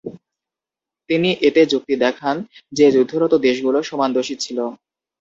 তিনি এতে যুক্তি দেখান যে যুদ্ধরত দেশগুলো সমান দোষী ছিল।